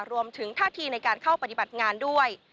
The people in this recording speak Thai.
รวมถึงท่าทีในการเข้าปฏิบัติงานด้วย